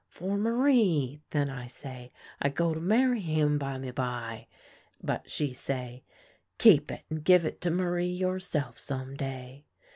' For Alarie,' then I say ;' I go to marry him, bimeby.' But she say, ' Keep it and give it to Marie yourself some day.'